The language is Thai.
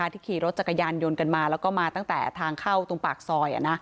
ที่ขี่รถจักรยานยนต์กันมาแล้วก็มาตั้งแต่ทางเข้าตรงปากซอย